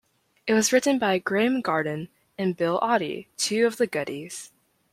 It was written by Graeme Garden and Bill Oddie, two of "The Goodies".